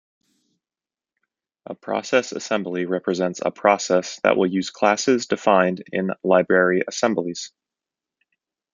A process assembly represents a process that will use classes defined in library assemblies.